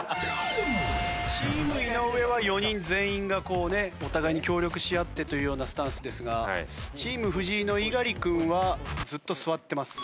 チーム井上は４人全員がこうねお互いに協力し合ってというようなスタンスですがチーム藤井の猪狩君はずっと座ってます。